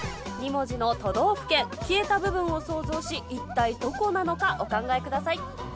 ２文字の都道府県消えた部分を想像し一体どこなのかお考えください。